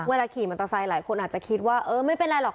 ขี่มอเตอร์ไซค์หลายคนอาจจะคิดว่าเออไม่เป็นไรหรอก